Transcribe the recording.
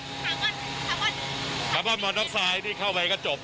คาร์บอนคาร์บอนคาร์บอนมอนดอกไซด์นี่เข้าไว้ก็จบเลย